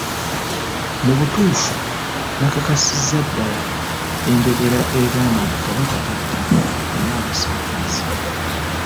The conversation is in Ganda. Mu butuufu nakakasiza ddala enjogera egamba nti Kabaka tatta, naye abasaakiriza.